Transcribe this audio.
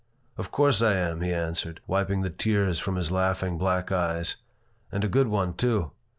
"Of course I am," he answered, wiping the tears from his laughing black eyes. "And a good one, too.